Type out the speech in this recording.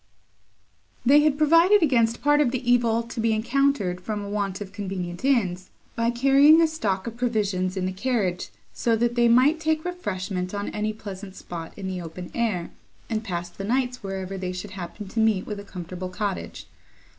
They had provided against part of the evil to be encountered from a want of convenient inns, by carrying a stock of provisions in the carriage, so that they might take refreshment on any pleasant spot, in the open air, and pass the nights wherever they should happen to meet with a comfortable cottage.